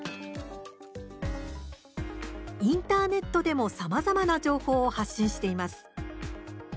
インターネットでもさまざまな情報を発信しています。